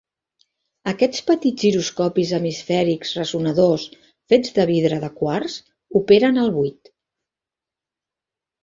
Aquests petits giroscopis hemisfèrics ressonadors fets de vidre de quars operen al buit.